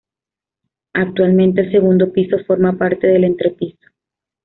Actualmente el segundo piso forma parte del entrepiso.